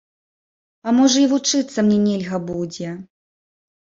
А можа і вучыцца мне нельга будзе.